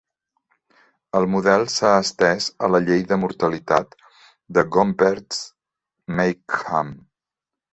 El model s'ha estès a la llei de mortalitat de Gompertz-Makeham.